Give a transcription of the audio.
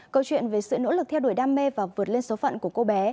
câu chuyện về sự nỗ lực theo đuổi đam mê và vượt lên số phận của cô bé